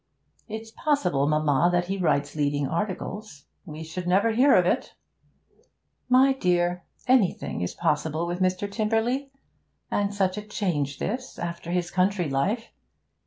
It's possible, mamma, that he writes leading articles. We should never hear of it.' 'My dear, anything is possible with Mr. Tymperley. And such a change, this, after his country life.